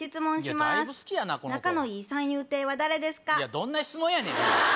どんな質問やねん！